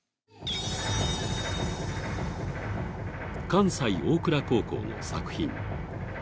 関西大倉高校の作品。